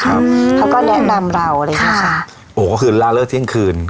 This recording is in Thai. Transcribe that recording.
เขาก็แนะนำเราอะไรอย่างเงี้ยค่ะโอ้โหก็คือล่าเลิกเที่ยงคืน